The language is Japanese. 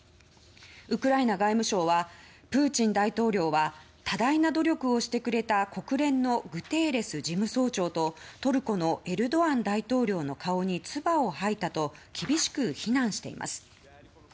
ウクライナ外務省はプーチン大統領は多大な努力をしてくれた国連のグテーレス事務総長とトルコのエルドアン大統領の顔につばを吐いたと厳しく非難しています。